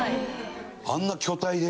あんな巨体で？